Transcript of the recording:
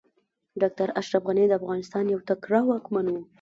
ډاکټر اشرف غني د افغانستان يو تکړه واکمن و